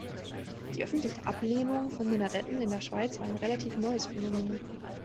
Die öffentliche Ablehnung von Minaretten in der Schweiz war ein relativ neues Phänomen.